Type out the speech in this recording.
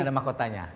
ini ada mahkotanya